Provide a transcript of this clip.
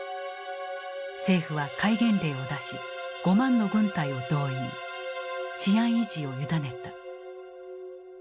政府は戒厳令を出し５万の軍隊を動員治安維持を委ねた。